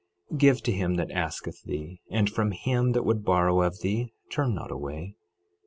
12:42 Give to him that asketh thee, and from him that would borrow of thee turn not away.